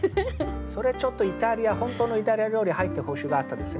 それちょっとイタリア本当のイタリア料理入ってほしかったですね。